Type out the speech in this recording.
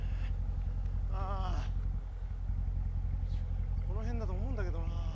ああこのへんだと思うんだけどなあ。